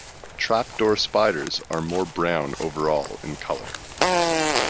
Trapdoor spiders are more brown overall in colour.